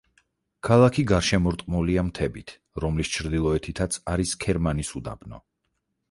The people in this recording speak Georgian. ქალაქი გარშემორტყმულია მთებით, რომლის ჩრდილოეთითაც არის ქერმანის უდაბნო.